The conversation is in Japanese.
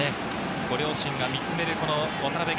ご両親が見つめる渡辺弦。